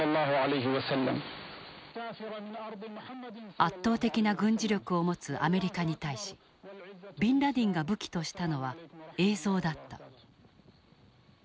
圧倒的な軍事力を持つアメリカに対しビンラディンが武器としたのは映像だった。